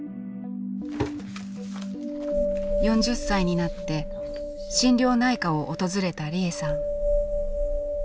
４０歳になって心療内科を訪れた利枝さん。